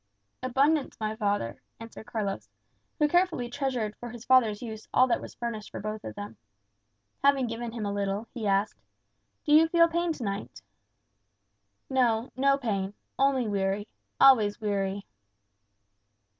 "Abundance, my father," answered Carlos, who carefully treasured for his father's use all that was furnished for both of them. Having given him a little, he asked, "Do you feel pain to night!" "No no pain. Only weary; always weary."